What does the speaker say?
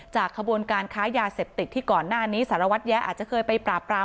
ขบวนการค้ายาเสพติดที่ก่อนหน้านี้สารวัตรแยะอาจจะเคยไปปราบปราม